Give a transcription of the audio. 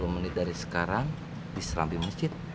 tiga puluh menit dari sekarang di serambi masjid